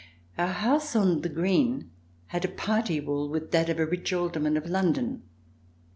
Our house on "The Green" had a party wall with that of a rich alderman of London.